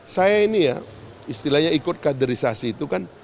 saya ini ya istilahnya ikut kaderisasi itu kan